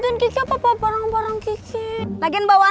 udah masuk dalam